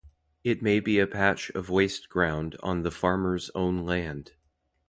It may be a patch of waste ground on the farmer's own land.